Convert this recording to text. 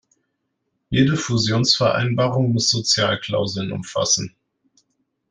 Jede Fusionsvereinbarung muss Sozialklauseln umfassen.